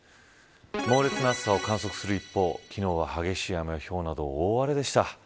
猛烈な暑さを観測する一方昨日は激しい雨やひょうなど大荒れでした。